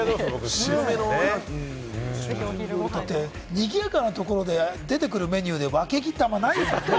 にぎやかなところで出てくるメニューで、わけぎってあんまりないですもんね。